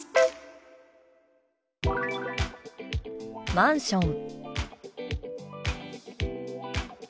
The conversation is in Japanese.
「マンション」。